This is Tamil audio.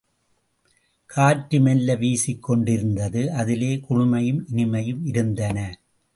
காற்று மெல்ல வீசிக் கொண்டிருந்தது, அதிலே குளுமையும் இனிமையும் இருந்தன.